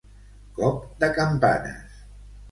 Cop de campanes.